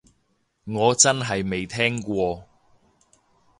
我真係未聽過